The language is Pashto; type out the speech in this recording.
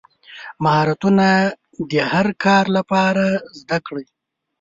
مهارتونه د هر کار لپاره زده کړئ.